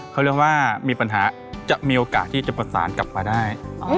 เขาเรียกว่ามีปัญหาจะมีโอกาสที่จะประสานกลับมาได้